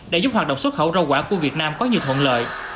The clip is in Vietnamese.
đã giúp hoạt động xuất khẩu rau quả của việt nam có nhiều thuận lợi